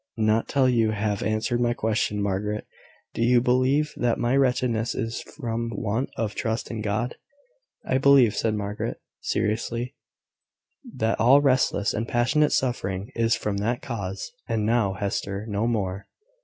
"Not till you have answered my question, Margaret. Do you believe that my wretchedness is from want of trust in God?" "I believe," said Margaret, seriously, "that all restless and passionate suffering is from that cause. And now, Hester, no more."